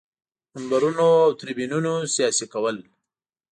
منبرونو او تریبیونونو سیاسي کول.